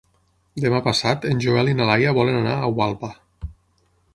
Demà passat en Joel i na Laia volen anar a Gualba.